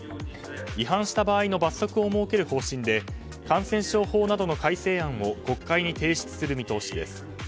違反した場合の罰則を設ける方針で感染症法などの改正案を国会に提出する見通しです。